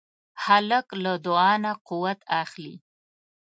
هلک له دعا نه قوت اخلي.